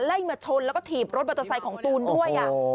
มาชนแล้วก็ถีบรถมอเตอร์ไซค์ของตูนด้วย